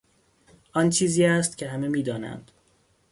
آن چیزی است که همه میدانند.